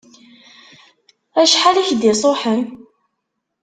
Acḥal i k-d-isuḥen?